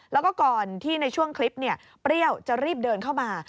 แล้วก็ก่อนที่ในช่วงคลิปเปรี้ยวจะรีบเดินเข้ามา